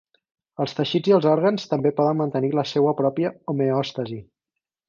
Els teixits i els òrgans també poden mantenir la seua pròpia homeòstasi.